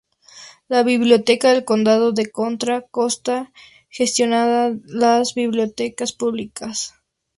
La Biblioteca del Condado de Contra Costa gestiona las bibliotecas públicas.